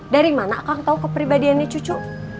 dari mana kang tahu kepribadiannya cucu